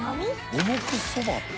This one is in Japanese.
「五目そば」って。